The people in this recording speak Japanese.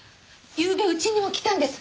ゆうべ家にも来たんです。